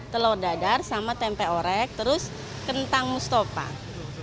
telur dadar sama tempe orek terus kentang mustopang